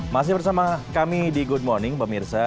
masih bersama kami di good morning pemirsa